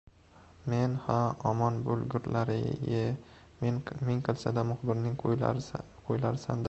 Men, ha, omon bo‘lgurlar-ye, ming qilsa-da, muxbirning qo‘ylarisan-da, dedim.